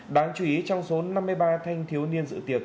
đáng chú ý trong số năm mươi ba thanh thiếu niên dự tiệc